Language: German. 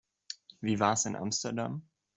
Wie war's in Amsterdam?